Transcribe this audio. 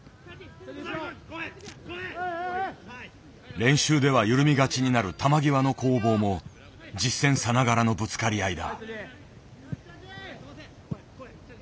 練習では緩みがちになる球際の攻防も実践さながらのぶつかり合いだ。